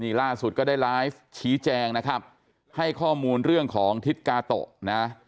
นี่ล่าสุดก็ได้ไลฟ์ชี้แจงนะครับให้ข้อมูลเรื่องของทิศกาโตะนะ